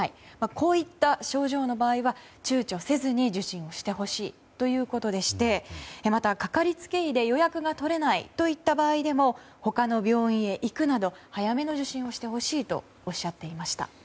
こういった症状の場合は躊躇せずに受診をしてほしいということでしてまたかかりつけ医で予約が取れないといった場合でも他の病院へ行くなど早めの受診をしてほしいとおっしゃっていました。